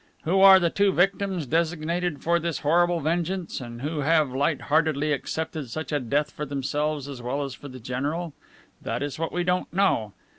Who are the two victims designated for this horrible vengeance, and who have light heartedly accepted such a death for themselves as well as for the general? That is what we don't know.